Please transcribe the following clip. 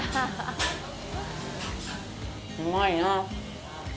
うまいなぁ。